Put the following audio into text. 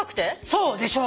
そう。でしょ。